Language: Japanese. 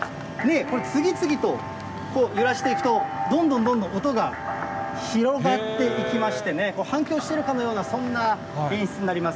これ、次々とこう揺らしていくと、どんどんどんどん音が広がっていきましてね、反響してるかのようなそんな演出になります。